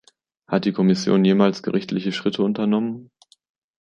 Hat die Kommission jemals gerichtliche Schritte unternommen?